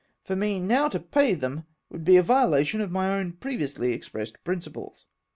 For me now to pay them would be a violation of my own previously expressed principles."